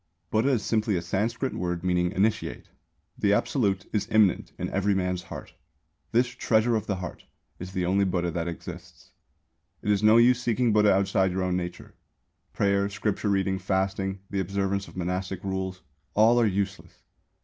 Buddha is simply a Sanskrit word meaning "initiate." The Absolute is immanent in every man's heart. This "treasure of the heart" is the only Buddha that exists. It is no use seeking Buddha outside your own nature. Prayer, scripture reading, fasting, the observance of monastic rules all are useless.